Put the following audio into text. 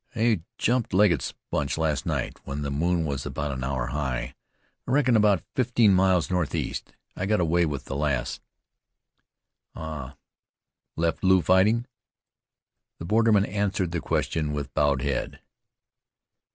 "We jumped Legget's bunch last night, when the moon was about an hour high. I reckon about fifteen miles northeast. I got away with the lass." "Ah! Left Lew fighting?" The borderman answered the question with bowed head.